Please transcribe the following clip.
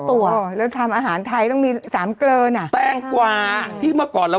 เท่าตัวอ๋อแล้วทำอาหารไทยต้องมีสามเกลือน่ะแป้งกวาที่เมื่อก่อนเรา